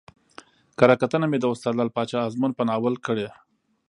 کره کتنه مې د استاد لعل پاچا ازمون په ناول کړى